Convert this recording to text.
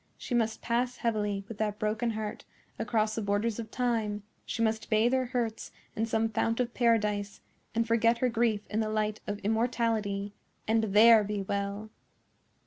She must pass heavily, with that broken heart, across the borders of Time—she must bathe her hurts in some fount of paradise, and forget her grief in the light of immortality, and THERE be well.